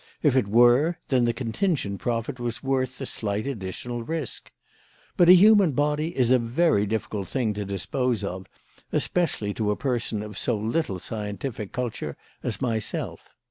If it were, then the contingent profit was worth the slight additional risk. But a human body is a very difficult thing to dispose of, especially to a person of so little scientific culture as myself.